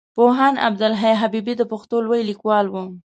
پوهاند عبدالحی حبيبي د پښتو لوی ليکوال وو.